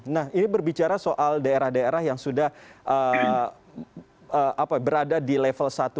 nah ini berbicara soal daerah daerah yang sudah berada di level satu